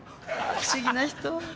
不思議な人。